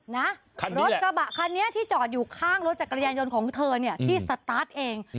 รถกระบะคันนี้ที่จอดอยู่ข้างรถจักรยานยนต์ของเธอเนี่ยที่สตาร์ทเอง